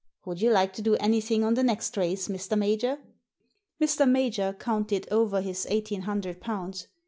Would you like to do anything on the next race, Mr. Major?" Mr. Major counted over his eighteen hundred pounds.